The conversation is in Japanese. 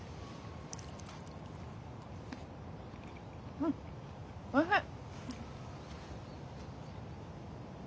うんおいしい。